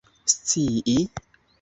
scii